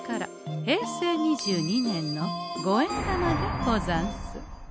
平成２２年の五円玉でござんす。